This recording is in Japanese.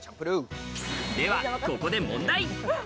ではここで問題。